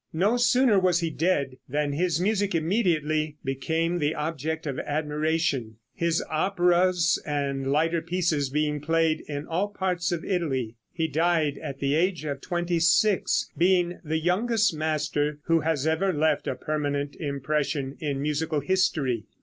No sooner was he dead than his music immediately became the object of admiration, his operas and lighter pieces being played in all parts of Italy. He died at the age of twenty six, being the youngest master who has ever left a permanent impression in musical history.